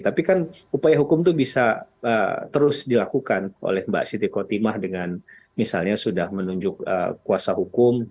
tapi kan upaya hukum itu bisa terus dilakukan oleh mbak siti kotimah dengan misalnya sudah menunjuk kuasa hukum